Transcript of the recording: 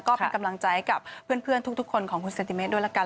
ก็เป็นกำลังใจกับเพื่อนทุกคนของคุณเซนติเมตรด้วยละกัน